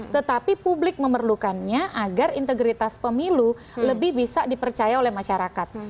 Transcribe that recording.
tetapi publik memerlukannya agar integritas pemilu lebih bisa dipercaya oleh masyarakat